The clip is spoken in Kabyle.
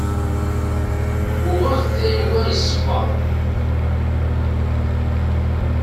Uɣeɣ-d tayuga n ssebbaḍ.